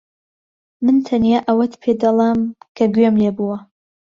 من تەنها ئەوەت پێدەڵێم کە گوێم لێ بووە.